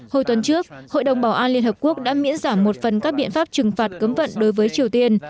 hồi tuần trước hội đồng bảo an liên hợp quốc đã miễn giảm một phần các biện pháp trừng phạt cấm vận đối với triều tiên